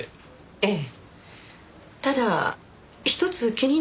ええ。